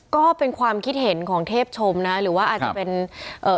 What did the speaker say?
ก็เป็นความคิดเห็นของเทพชมนะหรือว่าอาจจะเป็นเอ่อ